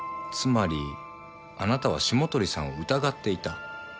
つまりあなたは霜鳥さんを疑っていた。